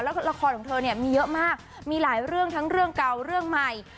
แล้วละครของเธอเนี่ยมีเยอะมากมีหลายเรื่องทั้งเรื่องเก่าเรื่องใหม่